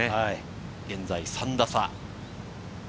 現在３打差。